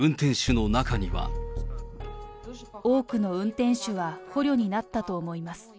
多くの運転手は、捕虜になったと思います。